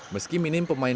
meski minim peningkatan